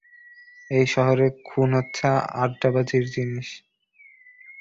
এই শহরে খুন হচ্ছে আড্ডাবাজির জিনিস।